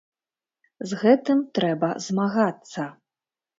З гэтым трэба змагацца.